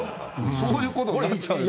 そういうことになっちゃうんですよ。